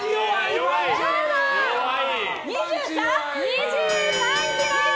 ２３ｋｇ！